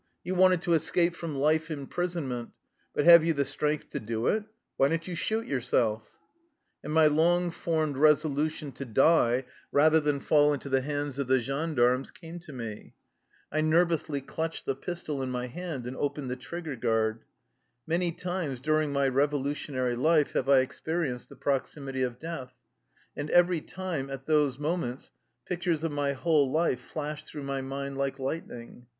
You wanted to es cape from life imprisonment ! But have you the strength to do it? Why don't you shoot your self? " And my long formed resolution to die rather than fall into the hands of the gendarmes came to me. I nervously clutched the pistol in my hand and opened the trigger guard. Many times during my revolutionary life have I ex perienced the proximity of death, and every time, at those moments, pictures of my whole life flashed through my mind like lightning.